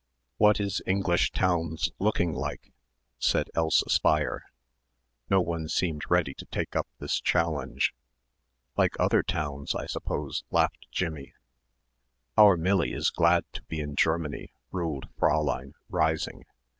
"What is English towns looking like," said Elsa Speier. No one seemed ready to take up this challenge. "Like other towns I suppose," laughed Jimmie. "Our Millie is glad to be in Germany," ruled Fräulein, rising.